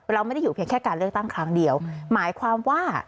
เราไม่ได้อยู่เพียงแค่การเลือกตั้งครั้งเดียวหมายความว่า